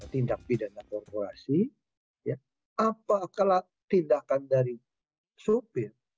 tindak pidana korporasi apakah tindakan dari sopir